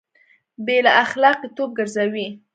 بې له اخلاقي توب ګرځوي